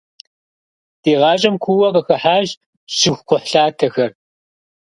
Ди гъащӏэм куууэ къыхыхьащ жьыхукхъухьлъатэхэр.